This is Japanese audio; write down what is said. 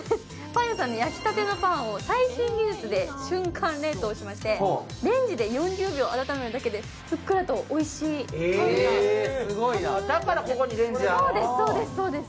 パン屋さんの焼きたてのパンを最新技術で冷凍しまして、レンジで４０秒温めるだけでふっくらとおいしいパンが食べられるんです。